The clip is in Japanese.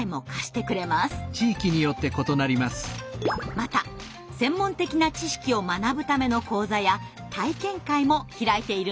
また専門的な知識を学ぶための講座や体験会も開いているんです。